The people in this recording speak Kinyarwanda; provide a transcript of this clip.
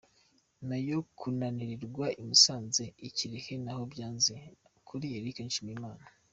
Nyuma yo kunanirirwa i Musanze, i Kirehe naho byanze kuri Eric Nshimiyimana.